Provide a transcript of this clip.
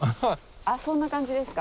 あっそんな感じですか？